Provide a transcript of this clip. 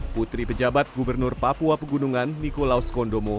putri pejabat gubernur papua pegunungan nikolaus kondomo